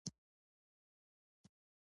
احمده! يو څو ورځې غاښ وچيچه؛ اوړه درته اخلم.